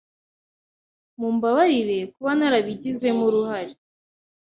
Mumbabarire kuba narabigizemo uruhare.